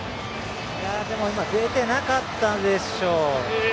でも今出てなかったでしょう。